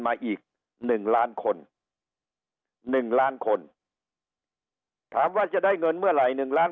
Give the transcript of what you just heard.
มาอีก๑ล้านคน๑ล้านคนถามว่าจะได้เงินเมื่อไหร่๑ล้าน